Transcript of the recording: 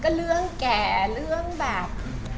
ก็เรื่องแก่เรื่องแบบ